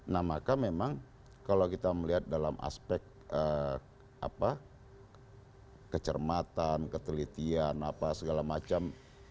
nah maka memang kalau kita melihat dalam aspek kecermatan ketelitian apa segala macam